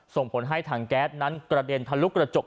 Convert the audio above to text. ส่งผลให้ถังแก๊สนั้นกระเด็นทะลุกระจก